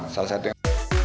salah satu yang